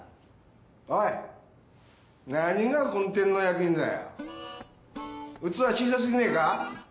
おい何が本店の役員だよ！器小さすぎねえか！？